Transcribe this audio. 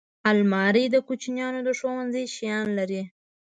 الماري د کوچنیانو د ښوونځي شیان لري